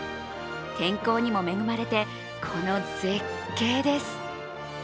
天候にも恵まれて、この絶景です。